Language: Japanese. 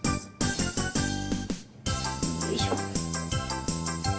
よいしょ。